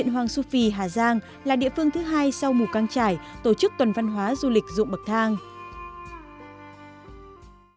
hoàng su phi hà giang là địa phương thứ hai sau mù căng trải tổ chức tuần văn hóa du lịch dụng bậc thang